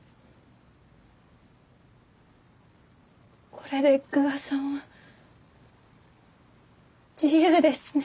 これで久我さんは自由ですね。